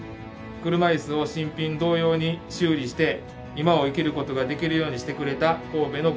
車いすを新品同様に修理して今を生きることができるようにしてくれた神戸の高校生の皆さん。